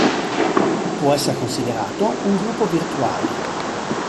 Può essere considerato un gruppo virtuale.